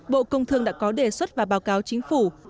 bộ công thương đã có đề xuất và báo cáo chính phủ